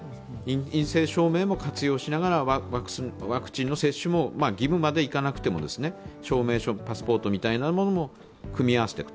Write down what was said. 陰性証明も活用しながら、ワクチンの接種も義務までいかなくても、証明書、パスポートみたいなものも組み合わせていく。